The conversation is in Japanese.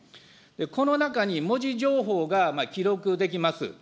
この中に文字情報が記録できます。